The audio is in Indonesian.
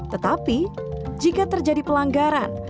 tetapi jika terjadi pelanggaran